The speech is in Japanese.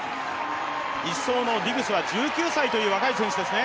１走のディグスは１９歳という若い選手ですね。